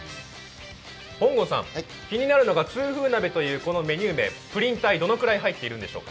本郷さん気になるのが痛風鍋というこのメニュー名プリン体、どのくらい入っているんでしょうか？